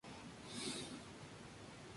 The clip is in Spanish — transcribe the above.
Es protagonizada por Alex Hook.